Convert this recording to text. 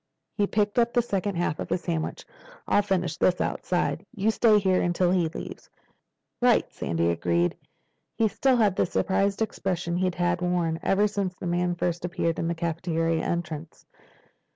He picked up the second half of his sandwich. "I'll finish this outside. You stay here until he leaves." "Right," Sandy agreed. He still had the surprised expression he had worn ever since the man first appeared at the cafeteria entrance.